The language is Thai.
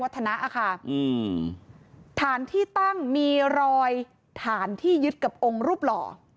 ฐานที่ตั้งมีรอยฐานที่ยึดกับองค์รูปหล่อ